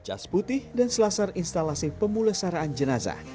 jas putih dan selasar instalasi pemulesaraan jenazah